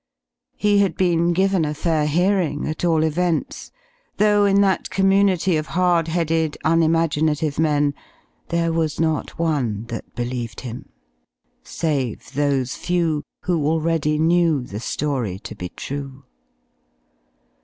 He had been given a fair hearing, at all events, though in that community of hard headed, unimaginative men there was not one that believed him save those few who already knew the story to be true.